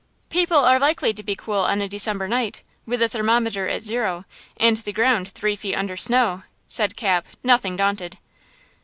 "People are likely to be cool on a December night, with the thermometer at zero, and the ground three feet under the snow," said Cap, nothing daunted.